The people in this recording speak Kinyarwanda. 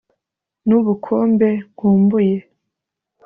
N'ubukombe nkumbuye